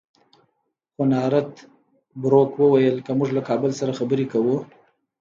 خو نارت بروک وویل که موږ له کابل سره خبرې کوو.